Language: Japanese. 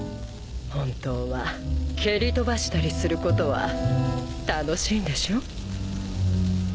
本当は蹴り飛ばしたりすることは楽しいんでしょ？